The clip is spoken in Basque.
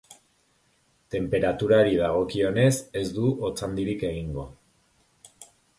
Tenperaturari dagokionez, ez du hotz handirik egingo.